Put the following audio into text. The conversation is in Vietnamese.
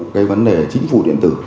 cái vấn đề chính phủ điện tử